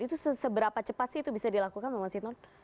itu seberapa cepat sih itu bisa dilakukan pak mas hinton